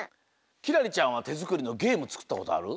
輝星ちゃんはてづくりのゲームつくったことある？